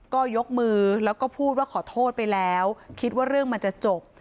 ก็ยกมือแล้วก็พูดว่าขอโทษไปแล้วคิดว่าเรื่องมันจะจบ